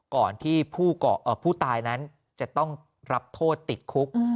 ก่อนที่ผู้ตายนั้นจะต้องรับโทษติดคุก